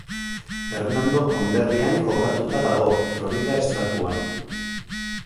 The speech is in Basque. Hernando konderrian kokatuta dago, Florida estatuan.